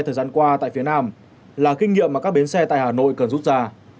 thời gian qua tại phía nam là kinh nghiệm mà các bến xe tại hà nội cần rút ra